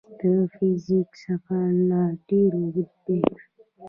د فزیک سفر لا ډېر اوږ دی.